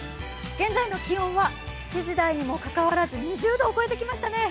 現在の気温は７時台にもかかわらず２０代を超えてきましたね。